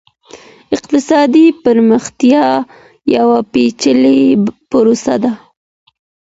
اقتصادي پرمختیا یوه پېچلې پروسه ده.